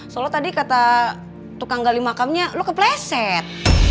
soalnya tadi kata tukang gali makamnya lo kepleset